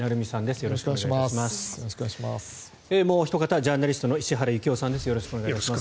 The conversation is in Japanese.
よろしくお願いします。